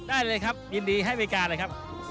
ได้เลยครับยินดีให้เวลากลับนะครับ